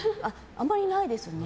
あまりないですね。